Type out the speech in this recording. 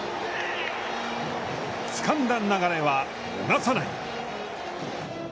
つかんだ流れは、逃さない。